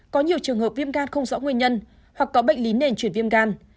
có nhiều trường hợp viêm gan không rõ nguyên nhân hoặc có bệnh lý nền chuyển viêm gan